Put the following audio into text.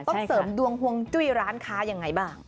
ต้องเสริมดวงห่วงจุ้ยร้านค้ายังไงบ้าง